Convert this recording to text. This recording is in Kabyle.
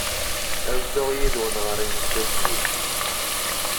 Ad dduɣ yid-wen ɣer yimsujji.